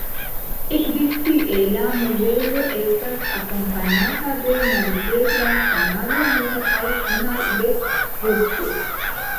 Ekde tie la Mozelo estas akompanata de navigebla kanalo, nome la Canal des Vosges.